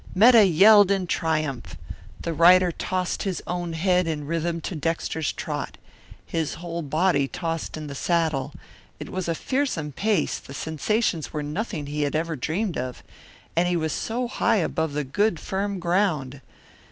Metta yelled in triumph. The rider tossed his own head in rhythm to Dexter's trot. His whole body tossed in the saddle; it was a fearsome pace; the sensations were like nothing he had ever dreamed of. And he was so high above the good firm ground!